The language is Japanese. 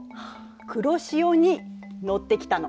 黒潮に乗ってきたの。